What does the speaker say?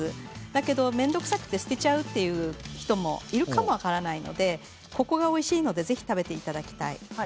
だけど、面倒くさくて捨てちゃうという人もいるかも分からないのでここがおいしいのでぜひ食べていただきたい。